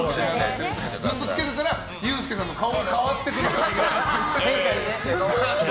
ずっとつけてたらユースケさんの顔が変わってくる。